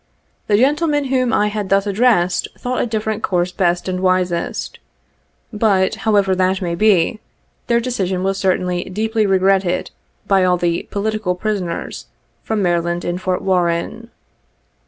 The gentlemen whom I had thus addressed thought a different course best and wisest ; but, however that may be, their decision was certainly deep ly regretted by all the " political prisoners " from Maryland in Fort Warren.